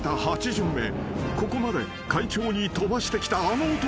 ［ここまで快調に飛ばしてきたあの男に］